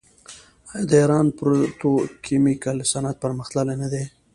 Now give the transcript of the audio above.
آیا د ایران پتروکیمیکل صنعت پرمختللی نه دی؟